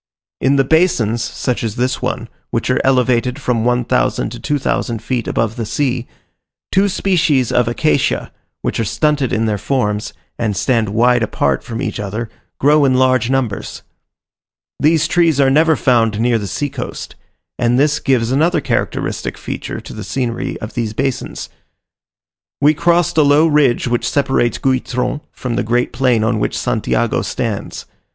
In the basins, such as this one, which are elevated from one thousand to two thousand feet above the sea, two species of acacia, which are stunted in their forms, and stand wide apart from each other, grow in large numbers. These trees are never found near the sea coast; and this gives another characteristic feature to the scenery of these basins. We crossed a low ridge which separates Guitron from the great plain on which Santiago stands.